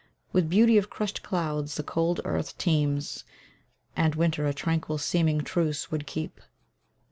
With beauty of crushed clouds the cold earth teems, And winter a tranquil seeming truce would keep.